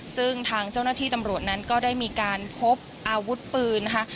ซึ่งทางเจ้าหน้าที่ตำรวจนั้นก็ได้มีการพบอาวุธปืนนะคะ